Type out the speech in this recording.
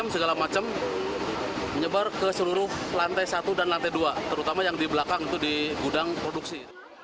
segala macam menyebar ke seluruh lantai satu dan lantai dua terutama yang di belakang itu di gudang produksi